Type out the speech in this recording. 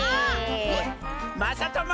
まさとも！